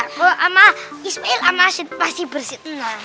kalau sama ismail sama asyik pasti bersih